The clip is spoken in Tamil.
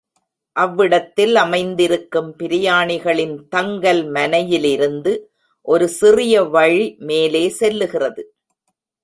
அவ்விடத்தில் அமைந்திருக்கும் பிரயாணிகளின் தங்கல் மனை யிலிருந்து ஒரு சிறிய வழி மேலே செல்லுகிறது.